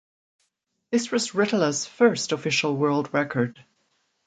This was Ritola's first official world record.